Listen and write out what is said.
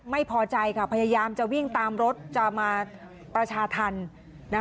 ไม่พอใจค่ะพยายามจะวิ่งตามรถจะมาประชาธรรม